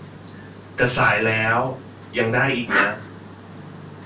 จะสายแล้ว ยัง ได้อีกนะ